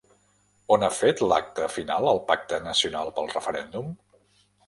On ha fet l'acte final el Pacte Nacional pel Referèndum?